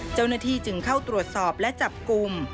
เจ้าหน้าที่จึงเข้าตรวจสอบและจับกลุ่ม